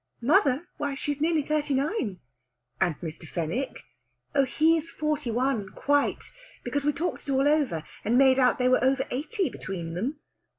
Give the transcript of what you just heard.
"Mother? Why, she's nearly thirty nine!" "And Mr. Fenwick?" "Oh, he's forty one. Quite! Because we talked it all over, and made out they were over eighty between them."